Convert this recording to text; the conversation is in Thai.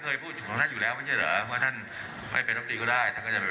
ร้อยเอกธรรมนักพรมเผ่าปัจจุบันนี้อายุห้าสิบหกปี